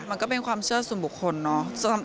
มันก็เป็นความเชื่อส่วนบุคคลเนอะ